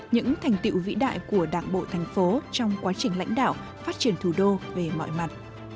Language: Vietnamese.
những thành tiệu vĩ đại của đảng bộ thành phố trong quá trình lãnh đạo phát triển thủ đô về mọi mặt